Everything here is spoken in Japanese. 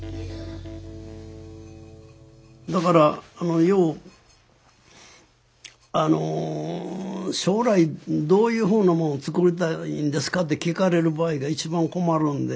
だからよう「将来どういうふうなものを作りたいんですか？」って聞かれる場合が一番困るんで。